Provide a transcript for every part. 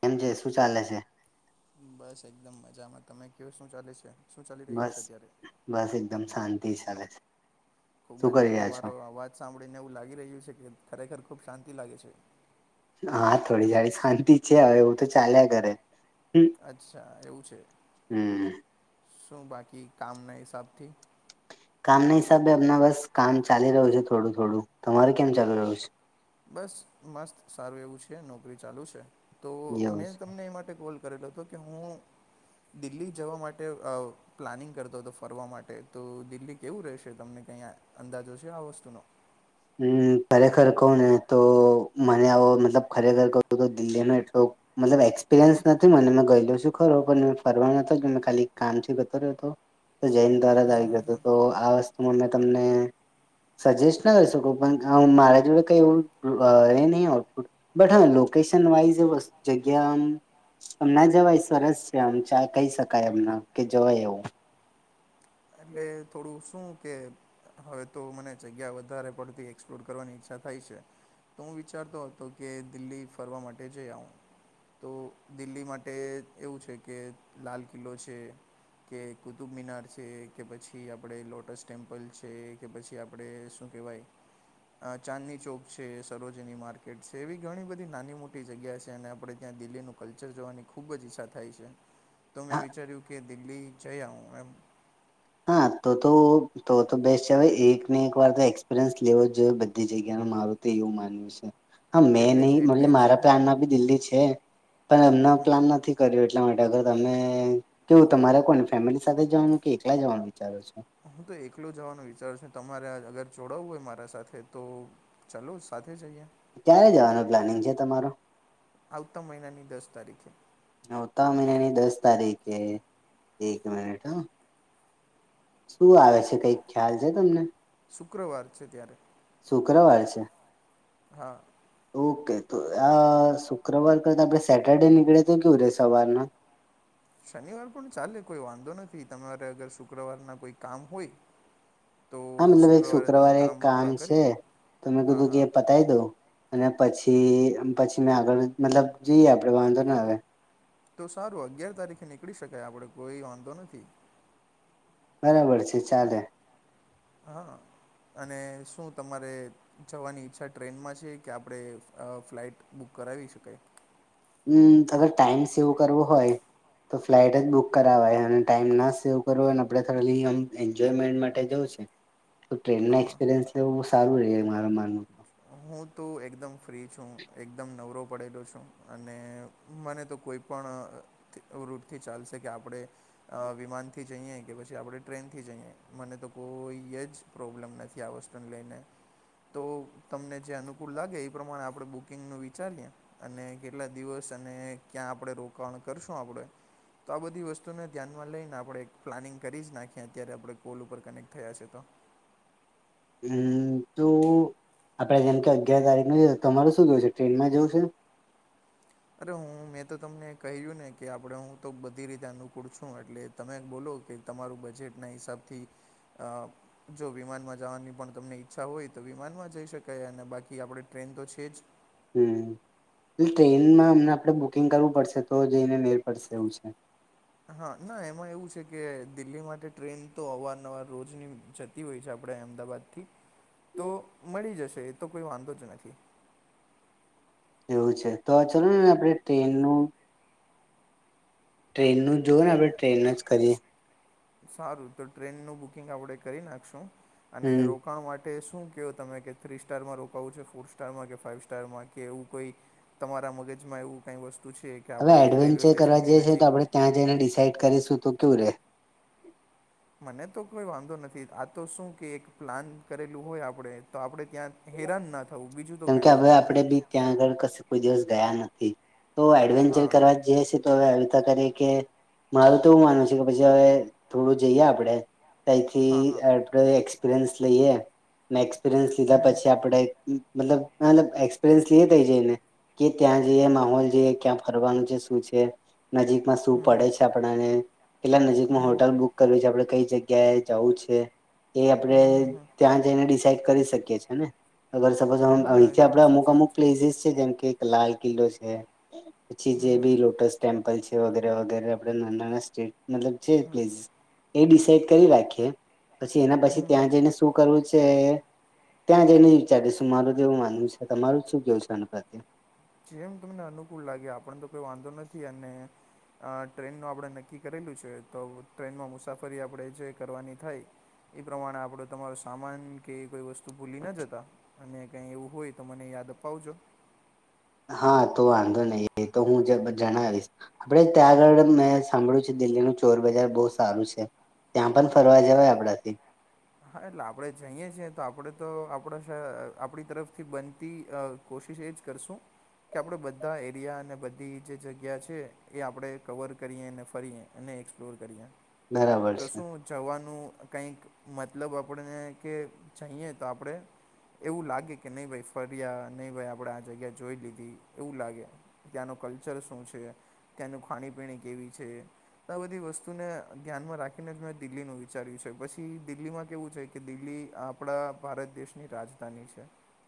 કેમ છે શું ચાલે છે? બસ એકદમ મજામાં. તમે કયો શું ચાલે છે? શું ચાલી રહ્યું બસ છે અત્યારે બસ એકદમ શાંતિ ચાલે છે. ખૂબ શું જ કરી રહ્યા છો તમારો અવાજ સાંભળીને એવું લાગી રહ્યું છે કે ખરેખર ખૂબ શાંતિ લાગે છે. હા થોડી ઘણી શાંતિ છે હવે એવું તો ચાલ્યા કરે. અચ્છા એવું છે. હમ શું બાકી કામના હિસાબથી? કામ ના હિસાબે હમણા બસ કામ ચાલી રહ્યું છે થોડું થોડું તમારે કેમ હા ચાલુ રહ્યું છે? બસ મસ્ત સારું એવું છે નોકરી ચાલુ છે તો છે એવું મેં છે તમને એ માટે કોલ કરેલો હતો કે હું દિલ્હી જવા માટે પ્લાનિંગ કરતો હતો ફરવા માટે તો દિલ્હી કેવું રહેશે તમને કંઈ અંદાજો છે આ વસ્તુનો? હમ્મ ખરેખર કહું ને તો મને આવો મતલબ ખરેખર કહું તો દિલ્હી નો એટલો મતલબ એક્સપિરયન્સ નથી મને મે ગયેલો છું ખરો પણ ફરવા નતો મે ખાલી કામથી ગયો હતો. તો જઇ ને તરત આવી ગયો હતો તો આ વસ્તુ મેં તમને સજેસ્ટ ના કરી શકુ પણ મારા જોડે કઈ એવું એ નહી હોતુ બટ હા લોકેશન વાઈઝ જગ્યા આમ જવાય સરસ છે આમ [unintelligible] કહી શકાય એમ ના કે જવાય એવું એટલે થોડું શું કે હવે તો મને જગ્યા વધારે પડતી એક્સપ્લોર કરવાની ઈચ્છા થાય છે. તો હું વિચારતો હતો કે દિલ્હી ફરવા માટે જઈ આવું. તો દિલ્હી માટે એવું છે કે લાલ કિલ્લો છે કે કુતુબ મીનાર છે કે પછી આપણે લોટસ ટેમ્પલ છે કે પછી આપણે શું કેવાય ચાંદની ચોક છે, સરોજની માર્કેટ છે, એવી ઘણી બધી નાની મોટી જગ્યા છે અને આપણે ત્યાં દિલ્હીનું કલ્ચર જોવાની ખૂબ જ ઈચ્છા થાય છે. તો મેં હા વિચાર્યું કે દિલ્હી જઈ આવું એમ. હા તો તો તો તો બેસ્ટ છે હવે એક ને એક વાર તો એક્સપિરિયન્સ લેવો જ જોઈએ બધી જગ્યા નો મારું તો એવું માનવું છે. હા મેં એટલે નહી જ એટલે મલે જ મારા હું પ્લાન ના બી દિલ્હી છે પણ હમ હમણાં હમ પ્લાન નથી એટલા માટે અગર તમે કેવું તમારે કોની ફેમિલી સાથે જવાનું કે એકલા જવાનું વિચારો છો હું તો એકલું જવાનું વિચારું છું તમારે અગર જોડાવું હોય મારા સાથે તો ચાલો સાથે જઈએ. ક્યારે જવાનું પ્લાનિંગ છે તમારો? આવતા મહિનાની દસ તારીખે. આવતા મહિનાની દસ તારીખે એક મિનિટ હ શું આવે છે કઈક ખ્યાલ છે તમને શુક્રવાર છે ત્યારે શુક્રવારે છે. હા ઓકે તો આ શુક્રવાર કરતા આપણે સેટરડે નીકળે તો કેવું રે સવારના? શનિવાર પણ ચાલે કોઈ વાંધો નથી તમારે અગર શુક્રવારના કોઈ કામ હોય. તો હા મતલબ એક તમે શુક્રવારે એક કામ પૂરા કરી છે તો મેં હા કીધું કે હા બતાવી દવ અને પછી પછી મે આગળ મતલબ જોઈએ આપડે વાંધો ના આવે. તો સારું અગિયાર તારીખે નીકળી શકાય આપડે કોઈ વાંધો નથી. બરાબર છે ચાલે. હા અને શું તમારે. જવાની ઈચ્છા ટ્રેનમાં છે કે આપણે અ ફ્લાઇટ બુક કરાવી શકાય, હમ ટાઈમ સેવ કરવો હોય. તો ફ્લાઇટ જ બુક કરાવવાય અને ટાઈમ ના સેવ કરવો હોય અને આપણે ખાલી આમ એન્જોયમેન્ટ માટે જઉં છે. ટ્રેન નો હા હા એક્સપિરિયન્સ લેવું સારું રેય મારા માનવા હું તો એકદમ ફ્રી છું એકદમ નવરો પડેલો છું અને. મને તો કોઈ પણ રૂટથી ચાલશે કે આપણે વિમાનથી જઈએ કે પછી આપણે ટ્રેનથી જઈએ મને તો કોઈ જ પ્રોબ્લેમ નથી આ વસ્તુને લઈને તો તમને જે અનુકૂળ લાગે એ પ્રમાણે આપણે બુકિંગનું વિચારીએ, અને કેટલા દિવસ અને ક્યાં આપણે રોકાણ કરશું આપડે, તો આ બધી વસ્તુને ધ્યાનમાં લઈને આપણે એક પ્લાનિંગ કરી જ નાખીએ અત્યારે આપણે કોલ ઉપર કનેક્ટ થયા છે તો. હમ તો આપડે જેમ કે અગિયાર તારીખ જવું છે તો તમારે શું કેવું છે ટ્રેનમાં જોવું છે અરે હું મેં તો તમને કહ્યું ને કે આપડે હું તો બધી રીતે અનુકૂળ છું એટલે તમે બોલો કે તમારું બજેટના હિસાબથી અ.... જો વિમાનમાં જવાની પણ તમને ઈચ્છા હોય તો વિમાનમાં જઈ શકાય અને બાકી આપણે ટ્રેન તો છે જ હમ તો ટ્રેનમાં અમના આપડે બુકિંગ કરવું પડશે તો જઈને મેલ પડશે એવું છે હા ના એમાં એવું છે કે દિલ્હી માટે ટ્રેન તો અવારનવાર રોજની જતી હોય છે આપણે અમદાવાદ ઠીક તો મળી જશે એ તો કોઈ વાંધો જ નથી. એવું છે તો ચાલો ને આપણે ટ્રેનનું. ટ્રેન નું જોવ ને આપડણે ટ્રેન જ કરીએ. સારું તો ટ્રેનનું બુકિંગ આપણે કરી નાખશું અને હમ રોકાણ માટે શું કહો તમે કે થ્રી સ્ટારમાં રોકાવો છે ફોર સ્ટારમાં કે ફાઈવ સ્ટારમાં કે એવું કોઈ તમારા મગજમાં એવું કઈ વસ્તુ છે. કે હવે આપણે રેલવે એડવેન્ચર કરવા સ્ટેશનથી જઈએ છીએ તો નજીક આપડણે ત્યાં જઈને ડિસાઈડ કરીશું તો કેયું રેય મને તો કોઈ વાંધો નથી આ તો શું કે એક પ્લાન કરેલું હોય આપડે તો આપડે ત્યાં હેરાન ના થવું બીજું તો કેમકે કાંઈ હવે વાંધો આપડે નથી બી ત્યાં આગળ કશે કોઈ દિવસ ગયા નથી તો એડવેન્ચર હા કરવા જે છે તો હવે [inaudible] આવીતા કરી કે મારૂ તો એવું માનવ છે કે પછી હવે થોડું જઈએ આપડે તથી હા હા આપણે એક્સપિરિયન્સ લઈએ ને એક્સપિરિયન્સ લીધા પછી આપણે મતલબ એક્સપીરિન્સ લઈએ ત્યાં જઈને કે ત્યાં જઈએ માહોલ જોઈએ ક્યાં ફરવાનું શું છે નજીકમાં શું પડે છે આપણને કેટલા નજીકમાં હોટલ બુક આપડે કઈ જગ્યાએ જવું છે એ આપણે ત્યાં જઈને ડિસાઈડ કરી શકીએ [inaudible] ને અરપ [inaudible] ના એ અહીંથી પણ આપડે અમુક સાચી વાત અમુક પ્લેસીસ છે જેમ કે લાલ કિલ્લો છે પછી જે બી લોટશ, ટેમ્પલ છે વગેરે વગેરે આપડ ના નાના સ્ટેટ મતલબ છે હમ પ્લેસીસ એ ડિસાઇડ કરી રાખીએ પછી એના પછી હમ હમ ત્યાં જઈને શું કરવું છે ત્યાં જઈને વિચારીશું, અમારું જેવું માનવું તમારું શું કેવું છે આનું પ્રત્યે જેમ તમને અનુકૂળ લાગે આપને તો કોઈ વાંધો નથી અને, અ ટ્રેનનું આપણે નક્કી કરેલું છે તો ટ્રેનમાં મુસાફરી આપણે જે કરવાની થાય, એ પ્રમાણે આપડો તમારો સામાન કે કોઈ વસ્તુ ભૂલી ન જતા, અને કઈ એવું હોય તો મને યાદ અપાવજો હા તો વાંધો નઈ એ તો હું જ જણાવીશ આપડે ત્યાં આગળ મેં સાંભળું છે દિલ્હીનું ચોર બજાર બઉ સારું છે ત્યાં પન ફરવા જવાય આપડાથી હા એટલે આપડે જઈએ છીએ તો આપડે તો આપડા શ આપડી તરફથી બનતી અ કોશિશ એ જ કરશું કે આપડે બધા એરિયા અને બધી જે જગ્યા છે એ આપડે કવર કરીએ અને ફરીએ અને એક્સપ્લોર કરીએ બરાબર તો છે શું ચવાનું કાંઈક મતલબ આપડને કે ચણીએ તો આપડે એવું લાગે કે નઈ ભાઈ ફર્યા નઈ ભાઈ આપડે આ જગ્યા જોઈ લીધી એવું લાગે ત્યાંનો કલ્ચર શું છે ત્યાંનું ખાણીપીણી કેવી છે આ બધી વસ્તુને ધ્યાનમાં રાખીને જ મેં દિલ્હીનું વિચાર્યું છે પછ છીદિલ્હીમાં કેવું છે કે દિલ્હી આપડા ભારત દેશની રાજધાની છે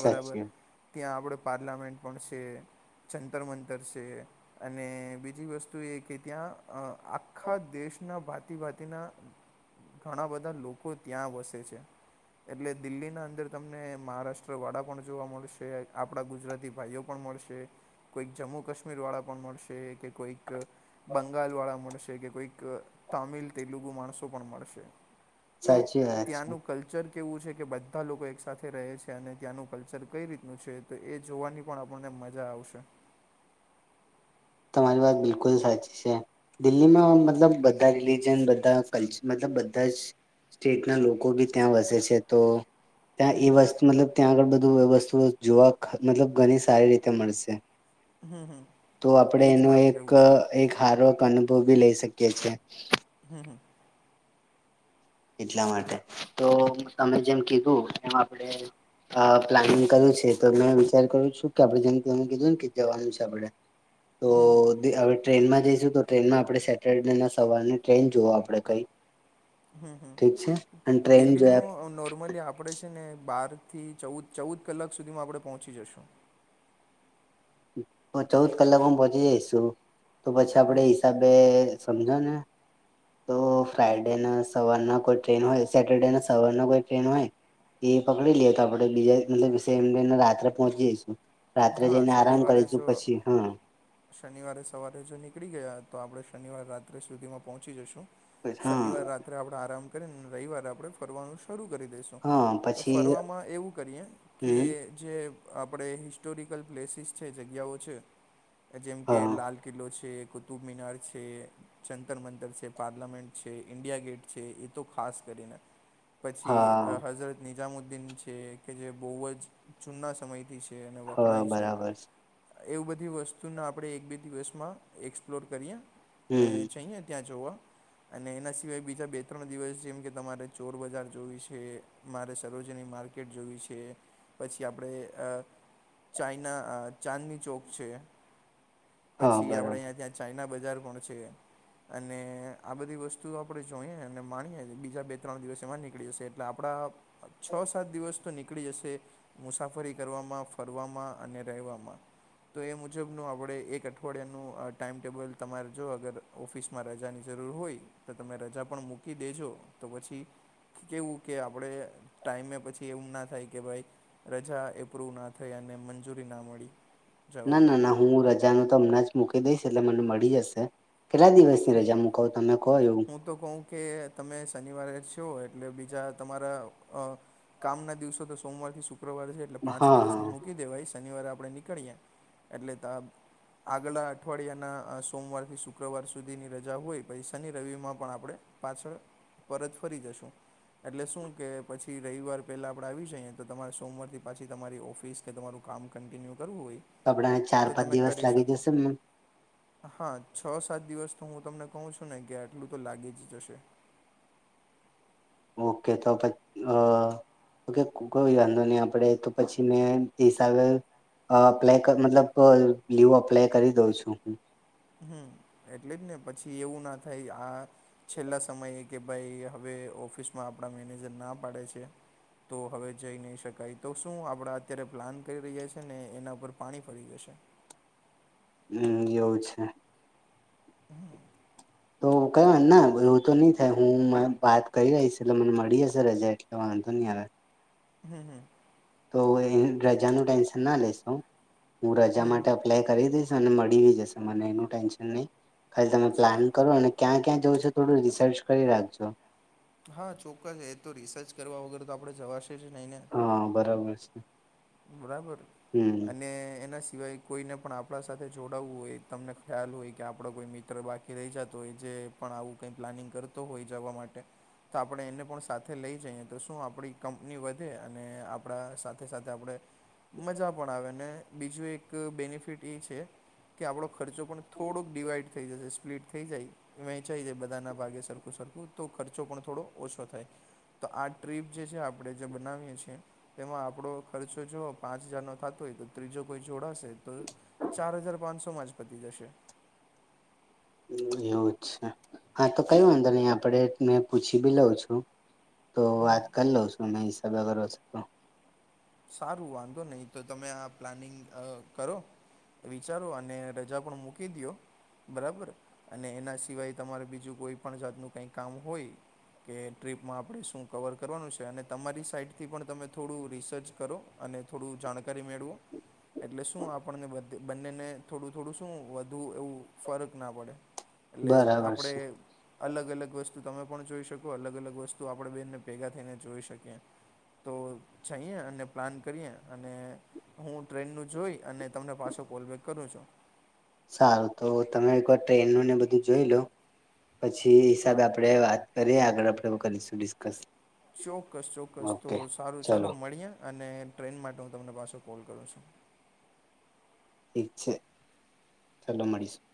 બરાબર સાચી વાત, ત્યાં આપડે પાર્લામેન્ટ પણ છે જંતર મંતર છે અને બીજી વસ્તુ એ કે ત્યાં અ આખા દેશના ભાાતિ ભાંતિના ઘણા બધ ધા લોકો ત્યાં વસે છે એટલે દિલ્હીના અંદર તમને મહારાષ્ટ્ર વડા પણ જોવા મળશે આપડા ગુજરાતી ભાઈઓ પણ મળશે કોઈક જમ્મુ કાશ્મીર વાડા પણ મળશે કે કોઈક બંગાલ વાડા મડશે કે કોઈક તામિલ તેલુગુ માણસો પણ મડશે તો સાચી વાત છે. ત્યાંનું કલ્ચર કેવું છે કે બધા લોકો એક સાથે રહે છે અને ત્યાંનું કલ્ચર કઈ રીતનું છે તો એ જોવાની પણ આપણને મજા આવશે તમારી વાત બિલકુલ સાચી છે દિલ્હીમાં મતલબ બધા રિલીજન બધા કલ્ચ મતલબ બધા જ સ્ટેટના લોકો બી ત્યાં વસે છે તો ત્યાં એ વસ્તુ મતલબ ત્યાં આગળ બધું એ વસ્તુ જોવા મતલબ ઘની સારી રીતે મળશે હં હં તો આપડે એનો એક એક હારોક અનુભવ બી લઇ શકીએ છીએ હં હં એટલા માટે તો તમે જેમ કીધું એમ આપડે અ પ્લાનિંગ કર્યું છે તો મેં વિચાર કરયુ છે કે આપડે જેમ કે એમ કીધું ને કે જવાનું છે આપડે તો તે હવે ટ્રેનમાં જઈશું તો ટ્રેનમાં આપડે સેટરડેના સવારની ટ્રેન જુઓ આપડે કઈ હં હં ઠીક છે અને ટ્રેન જો દિલ્હીનું નોર્મલી આ પડે છે ને બાર થી ચૌદ ચૌદ કલાક સુધીમાં આપણે પહોંચી જશું તો ચૌદ કલાકમાં પહોંચી જઈશું તો પછી આપડે એ હમ હિસાબે સમજો ને તો ફ્રાઈડેના સવારના કોઈ ટ્રેન હોય સેટરડેના સવારના કોઈ ટ્રેન હોય એ પકડી લીએ તો આપડે બીજા મતલબ સેમ ડેના રાત્રે પહોંચી જઈશું રાત્રે જઈને આ નિવારે જો શનિવારે સવારે જો નીકળી ગયા તો આપડે શનિવારે રાત્રે સુધીમાં પહોંચી જશું હા શનિવાર રાત્રે આપડે આરામ કરીને રવિવારે આપડે ફરવાનું શરૂ કરી દઈશું હા તો પછી ફરવામાં એવું કરીએ કે હમ જે આપડે હિસ- ટોરિકલ પ્લેસીસ છે જગ્યાઓ છે એ જેમ કે હા લાલ કિલ્લો છે કુતુબમીનાર છે જંતર મંતર છે પાર્લામેન્ટ છે ઇન્ડિયા ગેટ છે એ તો ખાસ કરીને પછી હા હઝરત નિજામુદ્દીન છે કે જે બઉ જ જુના સમયથી છે અને હા કણાય છે બરાબર એવી બધી વસ્તુના એક બે દિવસમાં એક્સપ્લોર કરીએ અને હમ ચઈએ ત્યાં જોવા અને એના સિવાય બીજા બે ત્રણ દિવસ જેમ કે તમારે ચોર બજાર જોવી છે મારે સરોજની માર્કેટ માર્કેટ જોવી છે પછી આપણે અ ચાઈના અ ચાંદની ચોક છે હા પછી આપણે બરાબર અહીંયા ત્યાં ચાઈના બજાર પણ છે અને આ બધી વસ્તુ આપણે જોઈએ અને માણીએ બીજા બે ત્રણ દિવસ એમાં નીકળી જશે એટલે આપણા છ સાત દિવસ તો નીકળી જશે મુસાફરી કરવામાં ફ [unintelligible] વામાં અને રહેવામાં તો એ મુજબનું આપણે એક અઠવાડિયાનું ટાઈમ ટેબલ તમારે જો અગર ઓફિસમાં રજાની જરૂર હોય તો તમે રજા પણ મૂકી દેજો તો પછી કેવું કે આપણે ટાઈમે પછી એવું ના થાય કે ભાઈ રજા એપ્રુવ ના થઈ અને મંજૂરી ના મળી ના જવાની ના ના હું રજાનો તો હમણાં જ મૂકી દઈશ એટલે મને મળી જશે કેટલા દિવસની રજા મૂકવ તમે કો એવું હું તો કહુકે તમે શનિવારે છો એટલે બીજા તમારા અ કામ ના દિવસો તો સોમવાર થી શુક્રવાર છે એટલે પાંચ હા દિવસને હા મૂકી દેવાય શનિવારે આપણે નીકળીએ એટલે દાપ આગલા અઠવાડિયાના સોમવાર થી શુક્રવાર સુધીની રજા હોય પૈસા શનિ રવિમાં પણ આપણે પાછળ પરત ફરી જશું એટલે શું કે પછી રવિવાર પહેલા આપણે આવી જઈએ તો તમારે સોમવાર થી પાછી તમારી ઓફિસ કે તમારું કામ કન્ટિન્યુ કરવું હોય કપડાં ને ચાર તો પાંચ તમે દિવસ કરી લાગી શકો જશે હા છ સાત દિવસ તો હું તમને કહું છું ને કે આટલું તો લાગી જ જશે ઓકે તો પછ અ.. કે કોઈ વાંધો નહી આપણેે તો પછી મેં હિસાબે અ બ્લેક મતલબ લીવ અપ્લાય કરી દઉં છું હું હમ એટલે જ ને પછી એવું ના થાય આ છેલ્લા સમયે કે ભાઈ હવે ઓફિસમાં આપણા મેનેજર ના પાડે છે તો હવે જઈ નહીં શકાય તો શું આપણા અત્યારે પ્લાન કરી રહ્યા છીએને એના પર પાણી ફરી જશે હમ એવું છે હમ તો કહેવાય ના એવું તો નહી થાય હું વાત કરી લઈશ એટલે મને મળી હશે રજા એટલે વાંધો નહી આવે હમ હમ તો અવે રજાનું ટેન્શનના લેશો હું રજા માટે એપ્લાય કરી દઈશ અને મળી જશે મને એનું ટેન્શન નહી ખાલી તમે પ્લાન સારું કરો અને ક્યાં ક્યાં જવું છે થોડું રિસર્ચ કરી રાખજો હા ચોક્કસ એ તો રિસર્ચ કરવા વગર તો આપણે જવાશે જ નહી ને હા બરાબર છે બરાબર હમ અને એના સિવાય કોઈને પણ આપણા સાથે જોડાવવું હોય તમને ખ્યાલ હોય કે આપણો કોઈ મિત્ર બાકી રહી જતો હોય જે પણ આવું કઈ પ્લાનિંગ કરતો હોય જવા માટે તો આપણે એને પણ સાથે લઈ જઈએ તો શું આપણી કંપની વધે અને આપણા સાથે સાથે તો આપણે મજા પણ આવે અને બીજું એક બેનિફિટ એ છે કે આપણો ખર્ચો પણ થોડોક ડિવાઈડ થઈ જશે સ્પ્લિટ થઈ જાય. વહેંચાઈ જાય બધાના ભાગે સરખું- સરખું તો ખર્ચો પણ થોડો ઓછો થાય. તો આ ટ્રીપ જે છે આપડે જે બનાવીએ છે તેમાં આપણો ખર્ચો જો પાંચ હજારનો થતો હોય તો ત્રીજો કોઈ જોડાશે તો ચાર હજાર પાંચસોમાં જ પતી જશે. એવું છે હા, તો કઈ વાંધો નઈ આપડે એક ને પૂછી બી લઉં છું. તો વાત કર લઉ છું એના હીસાબ અગર હશે તો. સારું વાંધો નહીં તો તમે આ પ્લાનિંગ અ કરો. તો વિચારો અને રજા પણ મૂકી દિયો. બરાબર અને એના સિવાય તમારે બીજું કોઈ પણ જાતનું કંઈ કામ હોય કે ટ્રીપમાં આપણે શું કવર કરવાનું છે અને તમારી સાઈટથી પણ તમે થોડું રિસર્ચ કરો અને થોડું જાણકારી મેળવો. એટલે શું આપણને બધ બંનેને થોડું- થોડું શું વધુ એવું ફરક ના પડે. એટલે બરાબર આપડે છે અલગ- અલગ વસ્તુ તમે પણ જોઈ શકો અલગ -અલગ વસ્તુ આપણે બનેભેગા થઈને જોઈ શકીએ. તો ચહીયે અને પ્લાન કરીએ અને હું ટ્રેનનું જોઈ અને તમને પાછો કોલબેક કરું છું. સારું તો તમે એક વાર ટ્રેનનું ને બધું જોઈ લો પછી હા હિસાબે આપડે વાત કરીએ આગળ આપણેે હું કરીશું ડિસ્કસ. ચોક્કસ -ચોક્કસ તો ઓકે સારું ચાલો ચલો મળીએ અને ટ્રેન માટે હું તમને પાસે કોલ કરું છું. ઠીક છે ચાલો મળીશું.